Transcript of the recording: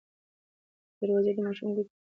دروازې د ماشوم ګوتو ته پام وکړئ.